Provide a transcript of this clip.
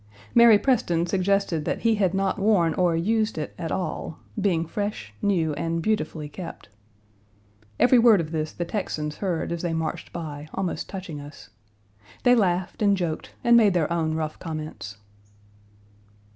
Mary Preston suggested that he had not worn or used it at all, being fresh, new, and beautifully kept. Every word of this the Texans heard as they marched by, almost touching us. They laughed and joked and made their own rough comments.